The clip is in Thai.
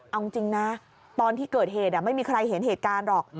เอาจริงนะตอนที่เกิดเหตุไม่มีใครเห็นเหตุการณ์หรอก